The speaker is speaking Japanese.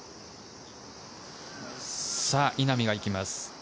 稲見がいきます。